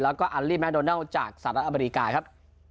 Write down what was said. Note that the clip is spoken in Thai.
แล้วก็อัลลี่แมโดนัลจากสหรัฐอเมริกาครับ